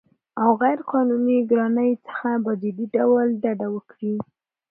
او غیرقانوني ګرانۍ څخه په جدي ډول ډډه وکړي